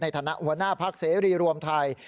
ในฐานะหัวหน้าภักร์เสรีรวมไทย